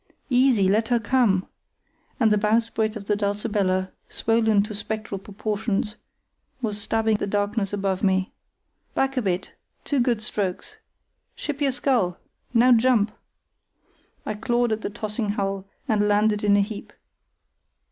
"Easy! Let her come!" and the bowsprit of the Dulcibella, swollen to spectral proportions, was stabbing the darkness above me. "Back a bit! Two good strokes. Ship your scull! Now jump!" I clawed at the tossing hull and landed in a heap.